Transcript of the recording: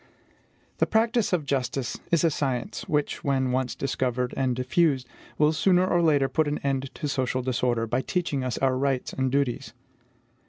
The practice of justice is a science which, when once discovered and diffused, will sooner or later put an end to social disorder, by teaching us our rights and duties.